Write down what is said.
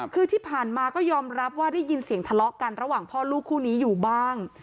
คือที่ผ่านมาก็ยอมรับว่าได้ยินเสียงทะเลาะกันระหว่างพ่อลูกคู่นี้อยู่บ้าง